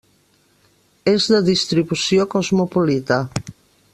És de distribució cosmopolita.